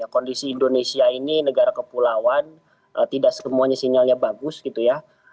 kondisi indonesia ini negara kepulauan tidak semuanya sinyalnya bagus gitu ya